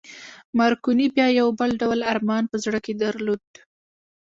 مارکوني بیا یو بل ډول ارمان په زړه کې درلود